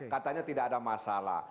katanya tidak ada masalah